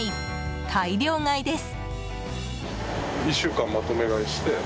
大量買いです。